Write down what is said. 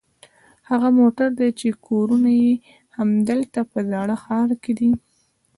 هغه موټر دي چې کورونه یې همدلته په زاړه ښار کې دي.